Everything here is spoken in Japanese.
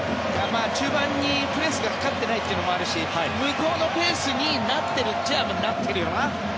中盤にプレスがかかっていないというのもあるし向こうのペースになっているといえばなってるよな。